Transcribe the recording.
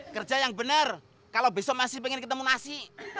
kerja yang benar kalau besok masih pengen ketemu nasi